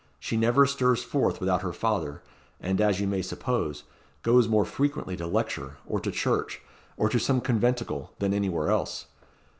She never stirs forth without her father, and, as you may suppose, goes more frequently to lecture, or to church, or to some conventicle, than anywhere else.